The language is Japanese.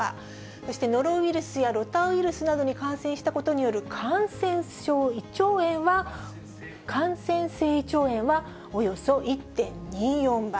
そしてノロウイルスやロタウイルスなどに感染したことによる感染症胃腸炎は、およそ１．２４倍。